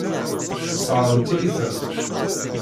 Tesseṛɣemt-iyi-ten.